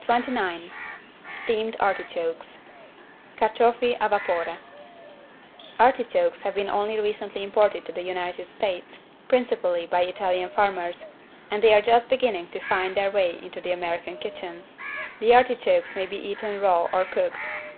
29 STEAMED ARTICHOKES (Carciofi a vapore) Artichokes have been only recently imported to the United States, principally by Italian farmers, and they are just beginning to find their way into the American kitchen. The artichokes may be eaten raw or cooked.